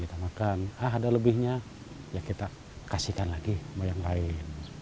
ada lebihnya ya kita kasihkan lagi sama yang lain